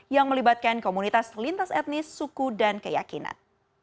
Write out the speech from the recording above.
yang melibatkan komunitas lintas etnis suku dan keyakinan